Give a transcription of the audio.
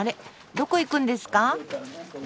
どこ行くんですか？